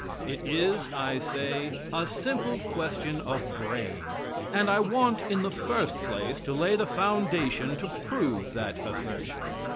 It is, I say, a simple question of brain, and I want, in the first place, to lay the foundation to prove that assertion.